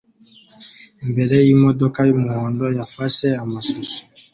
Imbere yimodoka yumuhondo yafashwe amashusho